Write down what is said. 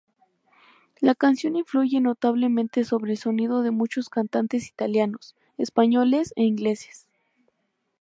La canción influye notablemente sobre el sonido de muchos cantantes italianos, españoles e ingleses.